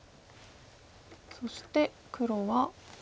そして黒は。